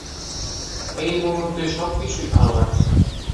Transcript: এই মূহুর্তে সবকিছুই ভালো লাগছে।